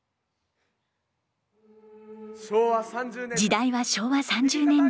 時代は昭和３０年代。